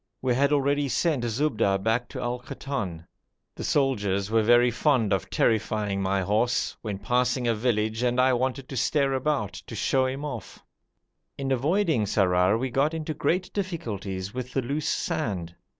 We had already sent Zubda back to Al Koton. The soldiers were very fond of terrifying my horse, when passing a village and I wanted to stare about, to show him off. In avoiding Sarrar we got into great difficulties with the loose sand.